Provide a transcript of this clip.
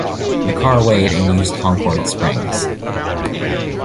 The car weighed and used Concord springs.